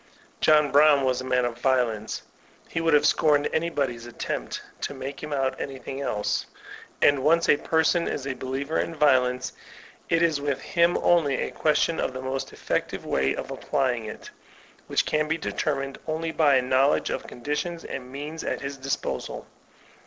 John Brown was a man of violence ; he would have scorned anybody's attempt to make him out anything else. And when once a person is a believer in violence, it is with him only a question of the most effective way of applying it, which can be determined only by a knowledge of conditions and means at his disposal.